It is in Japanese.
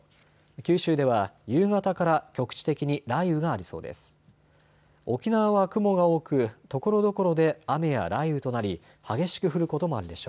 九州では夕方から局地的に雷雨がありそうです。